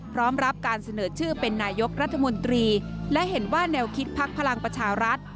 รับการเสนอชื่อเป็นนายกรัฐมนตรีและเห็นว่าแนวคิดพักพลังประชารัฐ